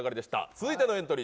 続いてのエントリー